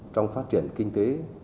trong phát triển kinh tế